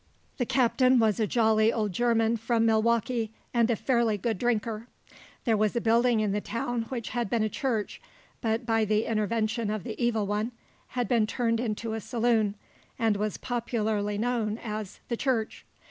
The captain was a jolly old German from Milwaukee, and a fairly good drinker. There was a building in the town which had been a church, but by the intervention of the evil one, had been turned into a saloon, and was popularly known as "The Church."